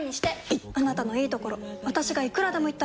いっあなたのいいところ私がいくらでも言ってあげる！